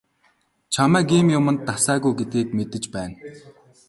Чамайг ийм юманд дасаагүй гэдгийг мэдэж байна.